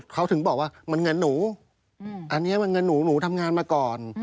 เขาถึงบอกว่ามันเงินหนูอันนี้มันเงินหนูหนูทำงานมาก่อน